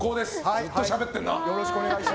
ずっとしゃべってんな。